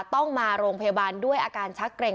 ต้องมาโรงพยาบาลด้วยอาการชักเกร็ง